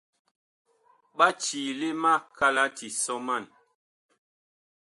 Ɓa ciile ma kalati sɔman.